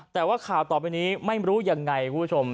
แต่ว่าข่าวต่อไปนี้ไม่รู้ยังไงคุณผู้ชม